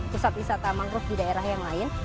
pusat wisata mangrove di daerah yang lain